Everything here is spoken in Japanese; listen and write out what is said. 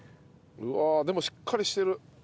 うわあでもしっかりしてる。